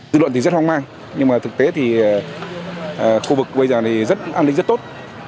dự luận thì rất hong mang nhưng mà thực tế thì khu vực bây giờ thì an lĩnh rất tốt